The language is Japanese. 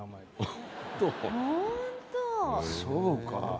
そうか。